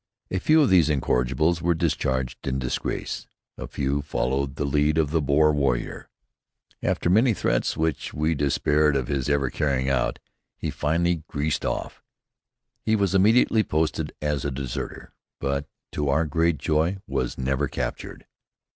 A few of these incorrigibles were discharged in disgrace. A few followed the lead of the Boer warrior. After many threats which we despaired of his ever carrying out, he finally "greased off." He was immediately posted as a deserter, but to our great joy was never captured.